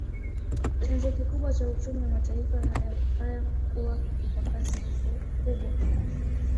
Chanzo kikubwa cha uchumi wa mataifa haya kukua kwa kasi kubwa